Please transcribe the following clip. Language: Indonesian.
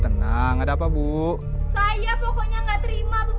saya nggak terima